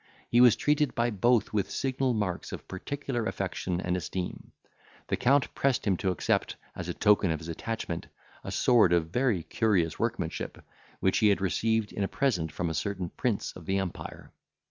He was treated by both with signal marks of particular affection and esteem. The count pressed him to accept, as a token of his attachment, a sword of very curious workmanship, which he had received in a present from a certain prince of the empire.